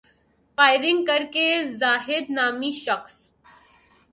firing کر کے زاہد نامی شخص